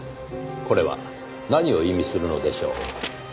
これは何を意味するのでしょう？